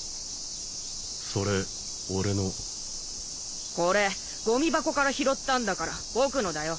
それ俺のこれゴミ箱から拾ったんだから僕のだよ